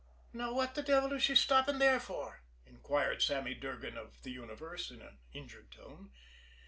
"Now, what the devil is she stopping there for?" inquired Sammy Durgan of the universe in an injured tone.